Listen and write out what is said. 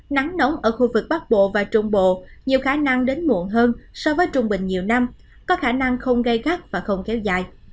nắng nóng ở khu vực bắc bộ và trung bộ nhiều khả năng đến muộn hơn so với trung bình nhiều năm có khả năng không gây gắt và không kéo dài